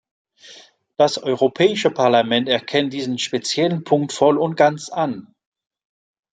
Das Europäische Parlament erkennt diesen speziellen Punkt voll und ganz an.